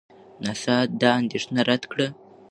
ناسا دا اندېښنه رد کړه.